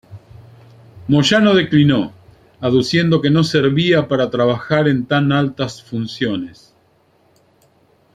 Moyano declinó, aduciendo que no servía para trabajar en tan altas funciones.